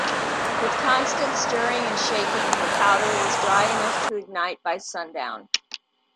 With constant stirring and shaking the powder was dry enough to ignite by sundown.